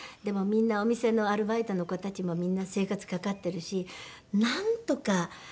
みんなお店のアルバイトの子たちもみんな生活かかってるしなんとか。